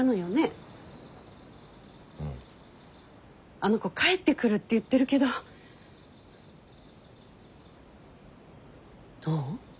あの子帰ってくるって言ってるけどどう？